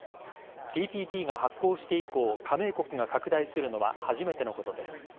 ＴＰＰが発効して以降加盟国が拡大するのは初めてのことです。